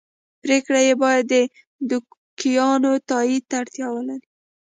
پرېکړې یې باید د دوکیانو تایید ته اړتیا ولري